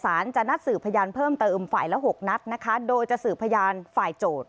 จะนัดสืบพยานเพิ่มเติมฝ่ายละ๖นัดนะคะโดยจะสื่อพยานฝ่ายโจทย์